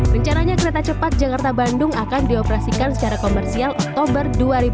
rencananya kereta cepat jakarta bandung akan dioperasikan secara komersial oktober dua ribu dua puluh